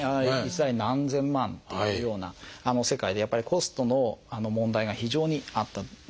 １台何千万っていうような世界でやっぱりコストの問題が非常にあった。